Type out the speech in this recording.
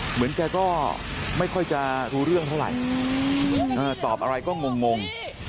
เหมือนแกก็ไม่ค่อยจะรู้เรื่องเท่าไหร่ตอบอะไรก็งง